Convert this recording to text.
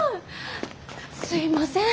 すいません